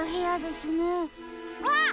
あっ！